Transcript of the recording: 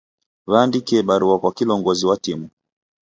W'aandikie barua kwa kilongozi wa timu.